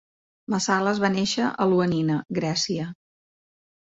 Massalas va néixer a Ioannina, Grècia.